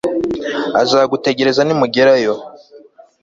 Azagutegereza nimugerayo